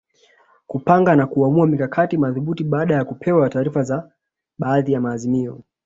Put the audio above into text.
Kupanga na kuamua mikakati madhubuti badala ya kupewa taarifa za baadhi ya maazimio